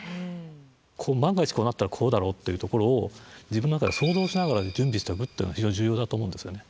万が一こうなったらこうだろうっていうところを自分の中で想像しながら準備しておくっていうの非常に重要だと思うんですがね。